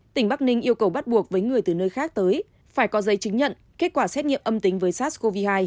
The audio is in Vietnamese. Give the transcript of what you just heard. tỉnh bắc ninh yêu cầu bắt buộc với người từ nơi khác tới phải có giấy chứng nhận kết quả xét nghiệm âm tính với sars cov hai